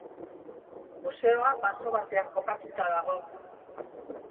Museoa baso batean kokatuta dago.